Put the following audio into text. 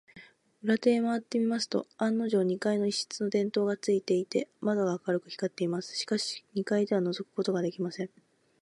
裏手へまわってみますと、案のじょう、二階の一室に電燈がついていて、窓が明るく光っています。しかし、二階ではのぞくことができません。